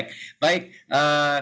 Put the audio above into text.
kita sudah semakin pendek